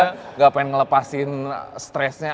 nggak pengen ngelepasin stressnya